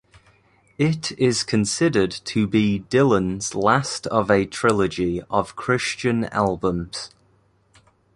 It is considered to be Dylan's last of a trilogy of Christian albums.